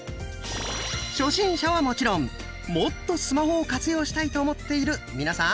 初心者はもちろんもっとスマホを活用したいと思っている皆さん！